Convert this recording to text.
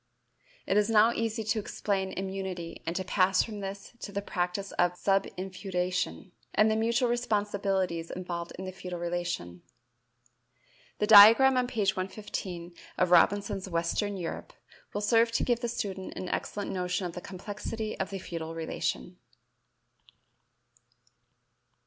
It is now easy to explain immunity and to pass from this to the practice of subinfeudation, and the mutual responsibilities involved in the feudal relation. The diagram on page 115 of Robinson's "Western Europe" will serve to give the student an excellent notion of the complexity of the feudal relation.